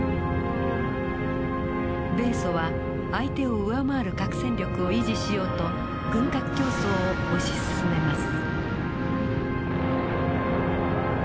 米ソは相手を上回る核戦力を維持しようと軍拡競争を推し進めます。